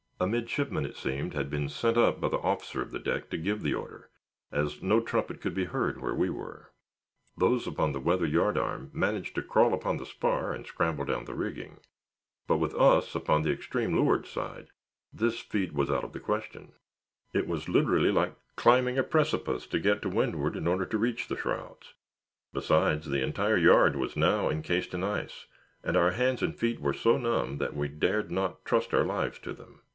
A midshipman, it seemed, had been sent up by the officer of the deck to give the order, as no trumpet could be heard where we were. Those on the weather yard arm managed to crawl upon the spar and scramble down the rigging; but with us, upon the extreme leeward side, this feat was out of the question; it was literally like climbing a precipice to get to windward in order to reach the shrouds; besides, the entire yard was now encased in ice, and our hands and feet were so numb that we dared not trust our lives to them.